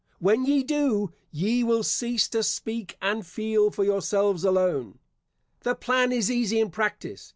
When ye do, ye will cease to speak and feel for yourselves alone. The plan is easy in practice.